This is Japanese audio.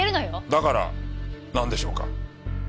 だからなんでしょうか？